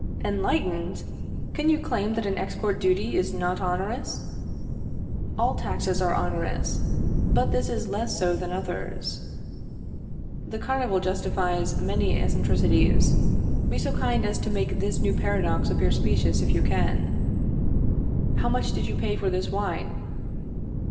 Enlightened! Can you claim that an export duty is not onerous? All taxes are onerous, but this is less so than others. The carnival justifies many eccentricities. Be so kind as to make this new paradox appear specious, if you can. How much did you pay for this wine?